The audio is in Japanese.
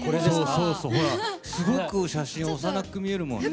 そうそうほらすごく写真幼く見えるもんね。